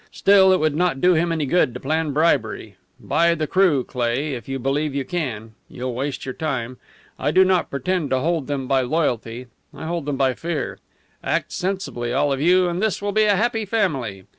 Still, it will not do him any good to plan bribery. Buy the crew, Cleigh, if you believe you can. You'll waste your time. I do not pretend to hold them by loyalty. I hold them by fear. Act sensibly, all of you, and this will be a happy family.